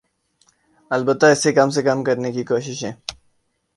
البتہ اسے کم سے کم کرنے کی کوششیں